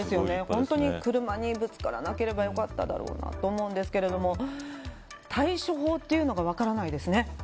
本当に車にぶつからなければよかっただろうなと思うんですけれども対処法というのが分からないですね。